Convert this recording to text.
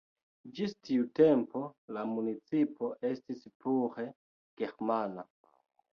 Ĝis tiu tempo la municipo estis pure germana.